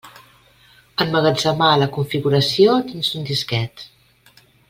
Emmagatzemar la configuració dins d'un disquet.